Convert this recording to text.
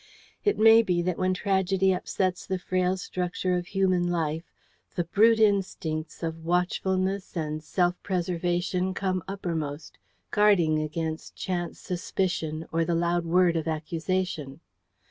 It may be that when tragedy upsets the frail structure of human life the brute instincts of watchfulness and self preservation come uppermost, guarding against chance suspicion, or the loud word of accusation.